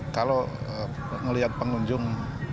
kalau ngelihat pengunjung